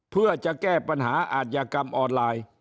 เพื่อจะแก้ปัญหาอาจยากรรมออนไลน์